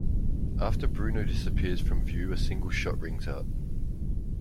After Bruno disappears from view a single shot rings out.